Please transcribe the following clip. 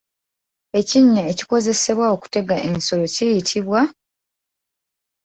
Ekinnya ekikozesebwa okutega ensolo kiyitibwa?